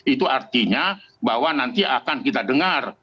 itu artinya bahwa nanti akan kita dengar